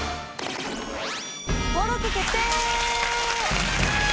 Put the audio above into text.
登録決定！